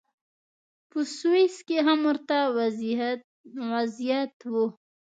په سویس کې هم ورته وضعیت و.